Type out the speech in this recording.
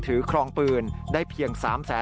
ถือครองปืนได้เพียง